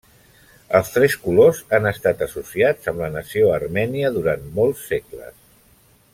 Els tres colors han estat associats amb la nació armènia durant molts segles.